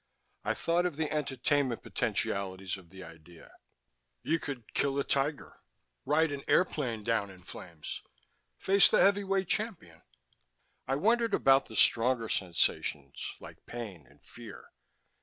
I thought of the entertainment potentialities of the idea. You could kill a tiger, ride an airplane down in flames, face the heavyweight champion I wondered about the stronger sensations, like pain and fear.